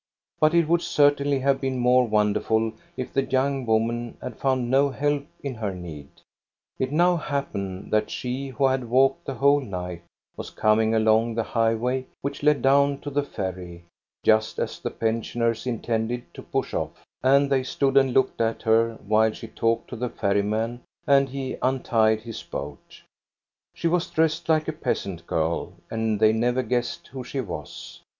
But it would certainly have been more wonderful if the young woman had found no help in her need. It now happened that she, who had walked the whole night, was coming along the highway which led down to the ferry, just as the pensioners intended to push off, and they stood and looked at her while she talked to the ferryman and he untied his boat. She was dressed like a peasant girl, and they never guessed who she was.